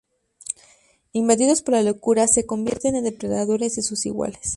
Invadidos por la locura, se convierten en depredadores de sus iguales.